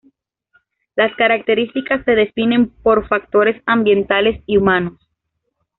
Las características se definen por factores ambientales y humanos.